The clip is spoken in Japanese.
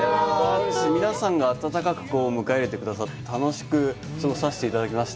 皆さんに温かく迎え入れてくださって、楽しく過ごさせていただきました。